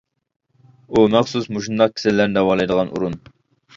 ئۇ مەخسۇس مۇشۇنداق كېسەللەرنى داۋالايدىغان ئورۇن.